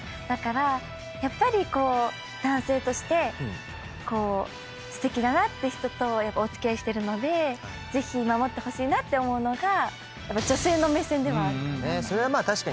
だからやっぱりこう男性としてすてきだなって人とお付き合いしてるのでぜひ守ってほしいなって思うのが女性の目線ではあるかなと。